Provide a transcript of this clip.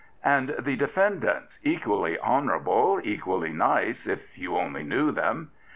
And the defendants, equally honourable, equally nice, if you only knew them.